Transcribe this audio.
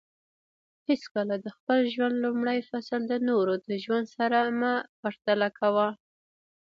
حیڅکله د خپل ژوند لومړی فصل د نورو د ژوند سره مه پرتله کوه